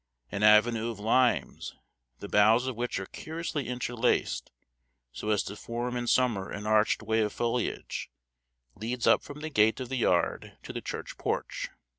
An avenue of limes, the boughs of which are curiously interlaced, so as to form in summer an arched way of foliage, leads up from the gate of the yard to the church porch.